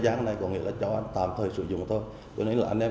giao đất cho thuê đất cho phép chuyển mục đích sử dụng đất đối với hộ gia đình cá nhân